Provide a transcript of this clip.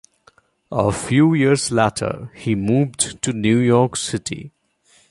A few years later he moved to New York City.